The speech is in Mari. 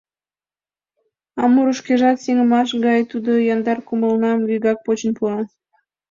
А муро шкежат сеҥымаш гае тудо: яндар кумылнам вигак почын пуа.